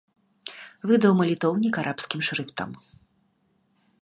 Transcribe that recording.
Выдаў малітоўнік арабскім шрыфтам.